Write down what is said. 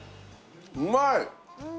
うまい！